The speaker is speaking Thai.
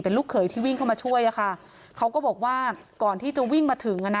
ลูกเขยที่วิ่งเข้ามาช่วยอะค่ะเขาก็บอกว่าก่อนที่จะวิ่งมาถึงอ่ะนะ